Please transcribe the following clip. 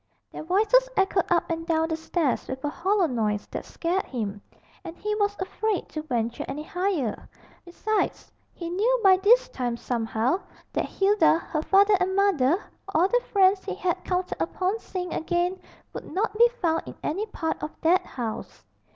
Their voices echoed up and down the stairs with a hollow noise that scared him, and he was afraid to venture any higher. Besides, he knew by this time somehow that Hilda, her father and mother, all the friends he had counted upon seeing again, would not be found in any part of that house.